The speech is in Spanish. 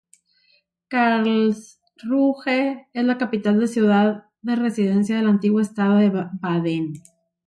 Karlsruhe es la capital y ciudad de residencia del antiguo estado de Baden.